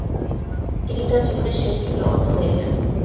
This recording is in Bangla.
তিনি তার জীবনের শেষের দিকে অন্ধ হয়ে যান।